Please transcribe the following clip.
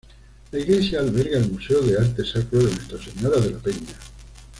La iglesia alberga el Museo de Arte Sacro de Nuestra Señora de la Peña.